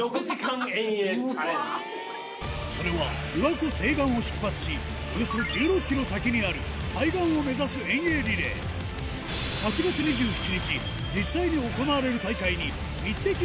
それは琵琶湖西岸を出発しおよそ１６ｋｍ先にある対岸を目指す遠泳リレー８月２７日実際に行われる大会にイッテＱ！